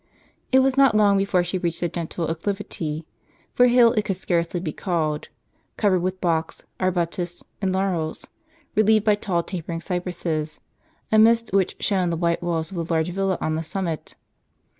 It w^as not long before she reached the gentle acclivity, for hill it could scarce be called, covered with box, arbutus, and laurels, relieved by tall tapering cypresses, amidst which shone the white walls of the large villa on the summit.